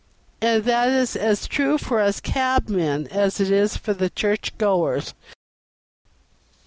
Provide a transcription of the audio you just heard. And that is as true for us cabmen as it is for the church goers."